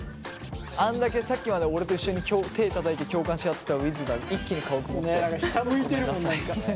あんだけさっきまで俺と一緒に手たたいて共感し合ってたうぃずが一気に顔曇ったよね。ね。